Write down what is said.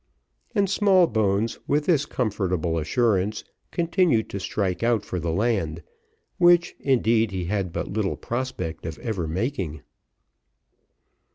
And Smallbones, with this comfortable assurance, continued to strike out for the land, which, indeed, he had but little prospect of ever making.